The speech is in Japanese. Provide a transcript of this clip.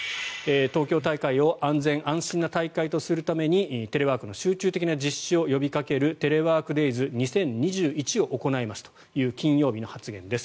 東京大会を安全安心な大会とするためにテレワークの集中的な実施を呼びかけるテレワーク・デイズ２０２１を行いますという金曜日の発言です。